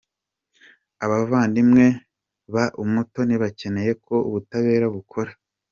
Abavandimwe ba Umutoni bakeneye ko ubutabera bukora.